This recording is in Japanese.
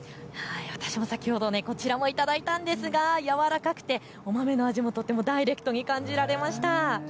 私も先ほどこちらも頂いたんですがやわらかくてお豆の味もとってもダイレクトに感じられました。